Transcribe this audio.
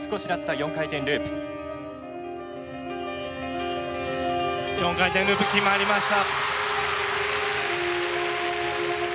４回転ループ決まりました！